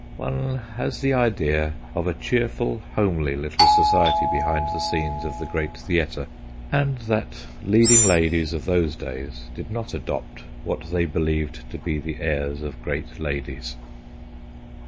One has the idea of a cheerful, homely little society behind the scenes of the great theatre, and that leading ladies of those days did not adopt what they believed to be the airs of great ladies.